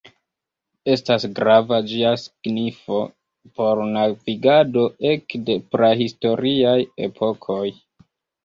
Estas grava ĝia signifo por navigado ekde prahistoriaj epokoj.